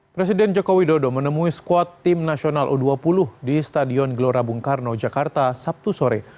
presiden joko widodo menemui squad tim nasional u dua puluh di stadion gelora bung karno jakarta sabtu sore